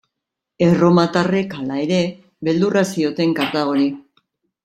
Erromatarrek, hala ere, beldurra zioten Kartagori.